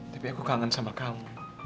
tapi aku kangen sama kamu